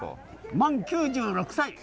満９６歳！